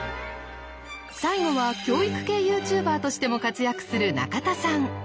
最後は教育系ＹｏｕＴｕｂｅｒとしても活躍する中田さん！